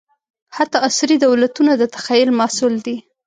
حتی عصري دولتونه د تخیل محصول دي.